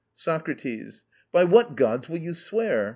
SOCRATES. By which gods will you swear?